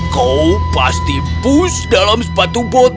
kau pasti push dalam sepatu bot